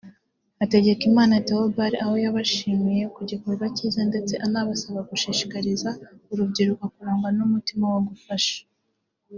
Hategekimana Theobald aho yabashimiye ku gikorwa cyiza ndetse anabasaba gushishikariza urubyiruko kurangwa n’umutima wo gufasha